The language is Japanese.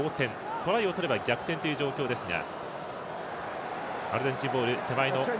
トライを取れば逆転という状況ですが。